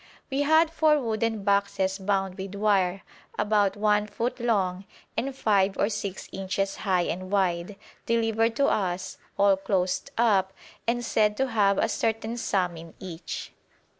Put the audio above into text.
We had four wooden boxes bound with wire, about 1 foot long and 5 or 6 inches high and wide, delivered to us, all closed up, and said to have a certain sum in each.